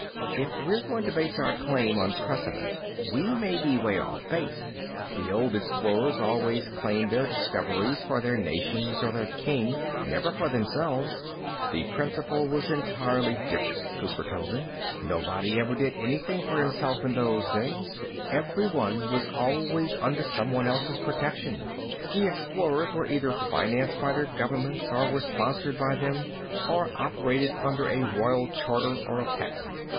If we're going to base our claim on precedent, we may be way off base. The old explorers always claimed their discoveries for their nations or their king, never for themselves." "The principle was entirely different," Cooper told him. "Nobody ever did anything for himself in those days. Everyone was always under someone else's protection. The explorers either were financed by their governments or were sponsored by them or operated under a royal charter or a patent.